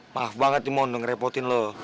maaf banget mon udah ngerepotin lo